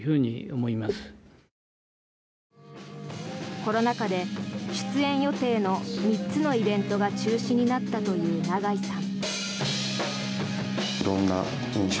コロナ禍で出演予定の３つのイベントが中止になったというナガイさん。